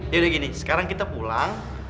yaudah gini sekarang kita pulang